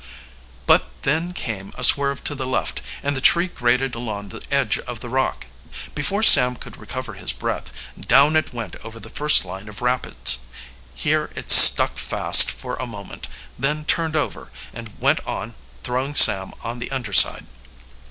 But then came a swerve to the left, and the tree grated along the edge of the rock. Before Sam could recover his breath, down it went over the first line of rapids. Here it stuck fast for a moment, then turned over and went on, throwing Sam on the under side.